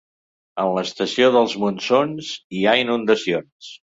En l'estació dels monsons hi ha inundacions.